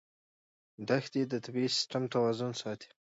دښتې د طبعي سیسټم توازن ساتي.